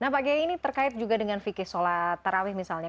pak kiai ini terkait juga dengan fikir sholat raweh misalnya